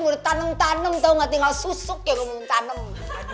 udah tanem tanem tau gak tinggal susuk yang gue mau tanem